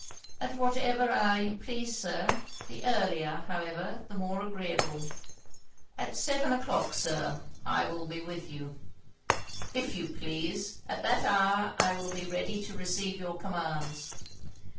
'At whatever hour you please, Sir the earlier, however, the more agreeable.' 'At seven o'clock, Sir, I will be with you.' 'If you please; at that hour I will be ready to receive your commands.'